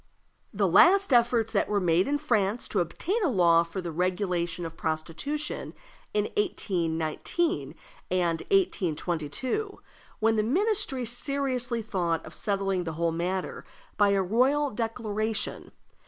The last efforts that were made in France to obtain a law for the regulation of prostitution were in 1819 and 1822, when the ministry seriously thought of settling the whole matter by a royal declaration.